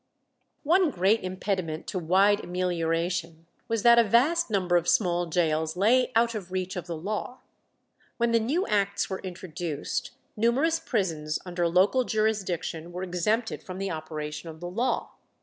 One great impediment to wide amelioration was that a vast number of small gaols lay out of reach of the law. When the new acts were introduced, numerous prisons under local jurisdiction were exempted from the operation of the law.